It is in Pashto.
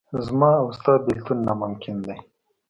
زما او ستا بېلتون ناممکن دی.